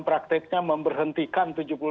prakteknya memberhentikan tujuh puluh lima